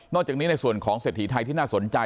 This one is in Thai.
จากนี้ในส่วนของเศรษฐีไทยที่น่าสนใจ